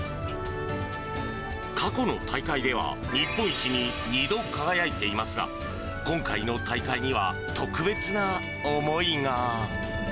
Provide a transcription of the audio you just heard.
過去の大会では、日本一に２度輝いていますが、今回の大会には特別な思いが。